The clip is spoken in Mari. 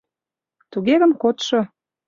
Туге гын, кодшо.